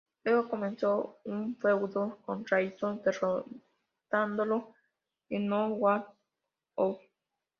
Luego comenzó un feudo con Rhyno, derrotándolo en "No Way Out".